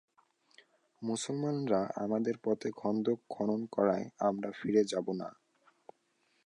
মুসলমানরা আমাদের পথে খন্দক খনন করায় আমরা ফিরে যাব না।